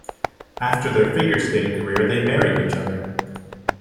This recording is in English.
After their figure skating career they married each other.